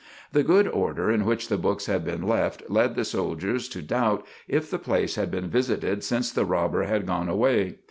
The good order in which the books had been left led the soldiers to doubt if the place had been visited since the robber had gone away.